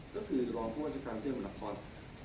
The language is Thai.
ก็คือรองผู้ว่ารัฐการเที่ยวบรรณครบันตรี